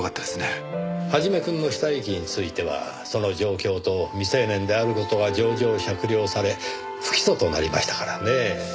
創くんの死体遺棄についてはその状況と未成年である事が情状酌量され不起訴となりましたからねぇ。